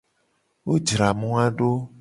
Wo jra moa do.